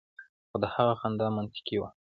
خو د هغه خندا منطقي وه